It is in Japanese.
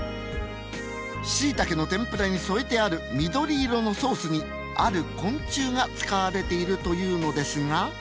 しいたけの天ぷらに添えてある緑色のソースにある昆虫が使われているというのですが。